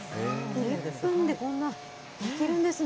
１分でこんな、できるんですね。